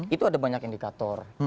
itu ada banyak indikator